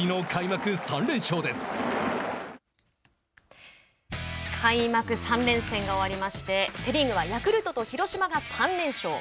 開幕３連戦が終わりましてセ・リーグは、ヤクルトと広島が３連勝。